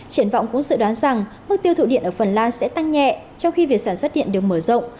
triển vọng của dự đoán rằng mức tiêu thụ điện ở phần lan sẽ tăng nhẹ trong khi việc sản xuất điện được mở rộng